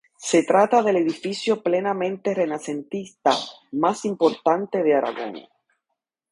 Se trata del edificio plenamente renacentista más importante de Aragón.